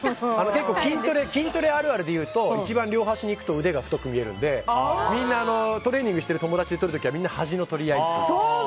結構、筋トレあるあるで言うと一番両端に行くと腕が太く見えるのでみんな、トレーニングしてる友達で撮る時はみんな、端の取り合い。